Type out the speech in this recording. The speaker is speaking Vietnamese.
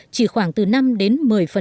chỉ khoảng từ năm đến một mươi